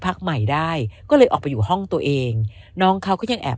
พักใหม่ได้ก็เลยออกไปอยู่ห้องตัวเองน้องเขาก็ยังแอบ